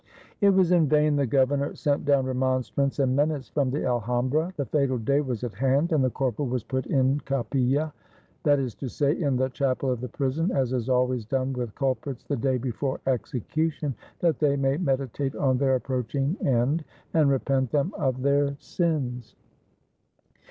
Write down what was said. It was in vain the governor sent down remonstrance and menace from the Alhambra. The fatal day was at hand, and the corporal was put in capilla, that is to say, in the chapel of the prison, as is always done with cul prits the day before execution, that they may meditate on their approaching end and repent them of their sins.